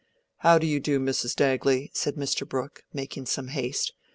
"How do you do, Mrs. Dagley?" said Mr. Brooke, making some haste.